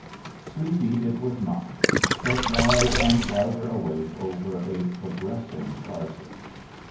Sleepy it was not, but wide and wider awake over a progressing crisis.